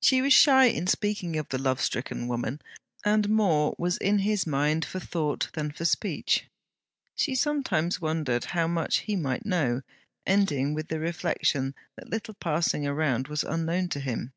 She was shy in speaking of the love stricken woman, and more was in his mind for thought than for speech. She some times wondered how much he might know, ending with the reflection that little passing around was unknown to him.